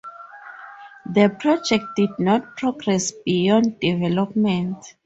The project did not progress beyond development.